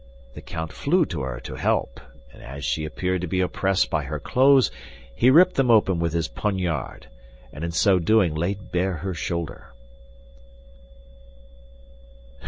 The count flew to her to help, and as she appeared to be oppressed by her clothes, he ripped them open with his poniard, and in so doing laid bare her shoulder.